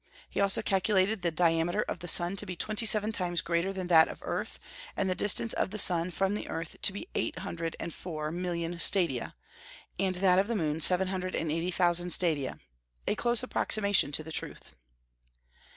He also calculated the diameter of the sun to be twenty seven times greater than that of the earth, and the distance of the sun from the earth to be eight hundred and four million stadia, and that of the moon seven hundred and eighty thousand stadia, a close approximation to the truth.